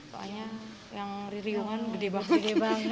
soalnya yang ririungan gede banget